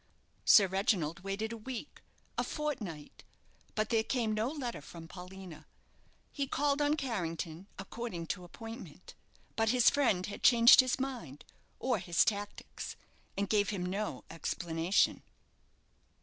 Sir Reginald waited a week, a fortnight, but there came no letter from Paulina. He called on Carrington, according to appointment, but his friend had changed his mind, or his tactics, and gave him no explanation.